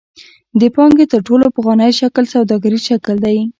د پانګې تر ټولو پخوانی شکل سوداګریز شکل دی.